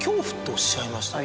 おっしゃいましたね。